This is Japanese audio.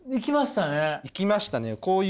いきましたね。